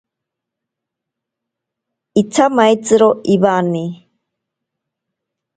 Itsamaitziro iwane.